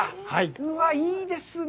うわぁ、いいですね！